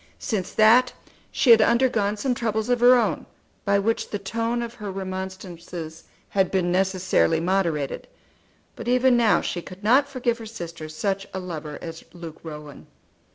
Since that she had undergone some troubles of her own by which the tone of her remonstrances had been necessarily moderated; but even now she could not forgive her sister such a lover as Luke Rowan.